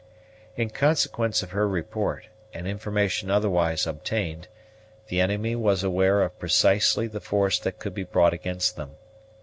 In consequence of her report, and information otherwise obtained, the enemy was aware of precisely the force that could be brought against them.